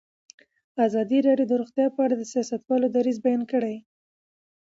ازادي راډیو د روغتیا په اړه د سیاستوالو دریځ بیان کړی.